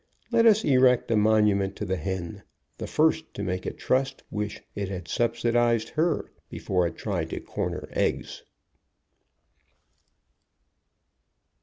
Let us erect a monument to the hen, the first to make a trust wish it had subsidized her before it tried to corner eggs.